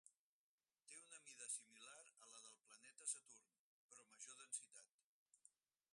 Té una mida similar a la del planeta Saturn, però major densitat.